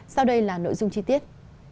sau đây là nội dung chi tiết